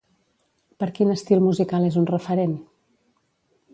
Per quin estil musical és un referent?